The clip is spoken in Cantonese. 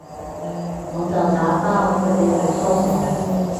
我就打包，佢哋好疏爽